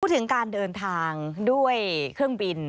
พูดถึงการเดินทางด้วยเครื่องบิน